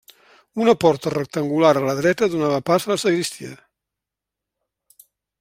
Una porta rectangular a la dreta donava pas a la sagristia.